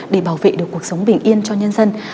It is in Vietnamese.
để bảo vệ được cuộc sống bình yên cho nhân dân